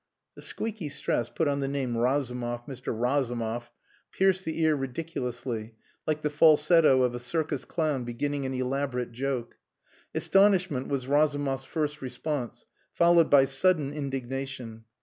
The squeaky stress put on the name "Razumov Mr. Razumov" pierced the ear ridiculously, like the falsetto of a circus clown beginning an elaborate joke. Astonishment was Razumov's first response, followed by sudden indignation.